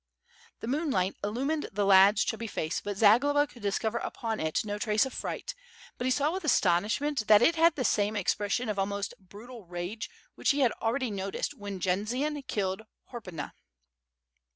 The moonlight illumined the lad's chubby face, but Za globa could discover upon it no trace of fright, but he saw with astonishment that it had the same expression of almost brutal rage which he had already noticed when Jendzian killed Horpyna.